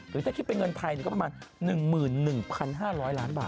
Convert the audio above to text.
หรือถ้าคิดเป็นเงินไทยก็ประมาณ๑๑๕๐๐ล้านบาท